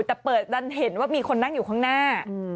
แต่เปิดดันเห็นว่ามีคนนั่งอยู่ข้างหน้า